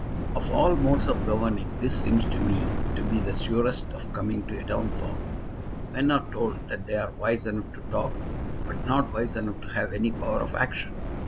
"Of all modes of governing this seems to me to be the surest of coming to a downfall. Men are told that they are wise enough to talk, but not wise enough to have any power of action.